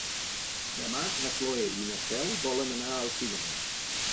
Demà na Cloè i na Cel volen anar al cinema.